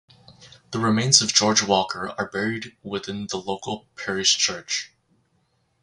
The remains of George Walker are buried within the local parish church.